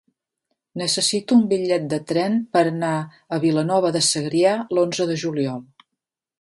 Necessito un bitllet de tren per anar a Vilanova de Segrià l'onze de juliol.